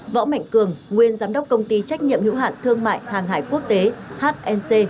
võ mạnh cường nguyên giám đốc công ty trách nhiệm hữu hạn thương mại hàng hải quốc tế hnc